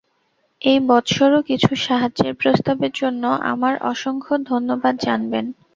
এই বৎসরও কিছু সাহায্যের প্রস্তাবের জন্য আমার অসংখ্য ধন্যবাদ জানবেন।